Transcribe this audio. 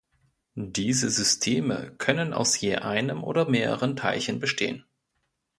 Diese Systeme können aus je einem oder mehreren Teilchen bestehen.